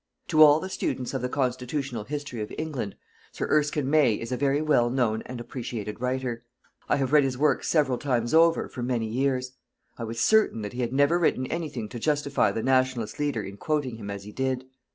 To all the students of the Constitutional History of England, Sir Erskine May is a very well known and appreciated writer. I have read his works several times over for many years. I was certain that he had never written anything to justify the Nationalist leader in quoting him as he did.